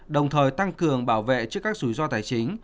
đồng thời tăng cường bảo vệ trước các rủi ro tài chính